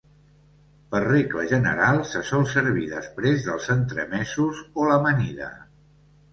Per regla general se sol servir després dels entremesos o l'amanida.